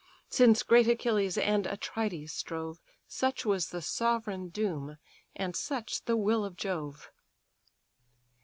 Since great Achilles and Atrides strove, Such was the sovereign doom, and such the will of Jove!